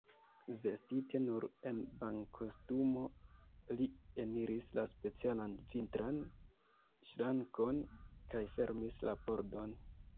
Vestite nur en bankostumo, li eniris la specialan vitran ŝrankon, kaj fermis la pordon.